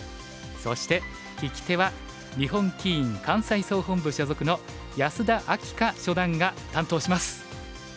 そして聞き手は日本棋院関西総本部所属の安田明夏初段が担当します。